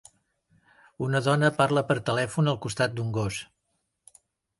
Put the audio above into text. Una dona parla per telèfon al costat d'un gos.